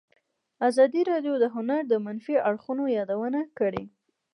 ازادي راډیو د هنر د منفي اړخونو یادونه کړې.